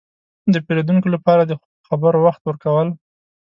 – د پېرودونکو لپاره د خبرو وخت ورکول.